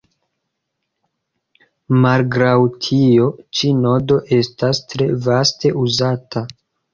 Malgraŭ tio, ĉi nodo estas tre vaste uzata.